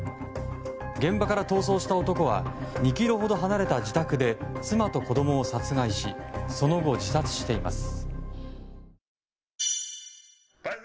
現場から逃走した男は２ｋｍほど離れた自宅で妻と子供を殺害しその後、自殺しています。